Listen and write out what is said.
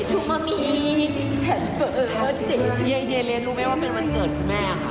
เฮียเรียนรู้ไหมว่าเป็นวันเกิดแม่ค่ะ